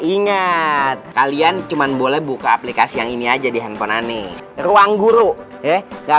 ingat kalian cuman boleh buka aplikasi yang ini aja di handphone aneh ruang guru ya gak